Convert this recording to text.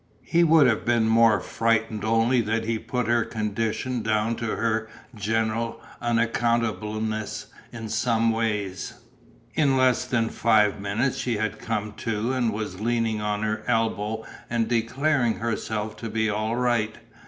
He would have been more frightened only that he put her condition down to her general unaccountableness in some ways. In less than five minutes she had come to and was leaning on her elbow and declaring herself to be all right.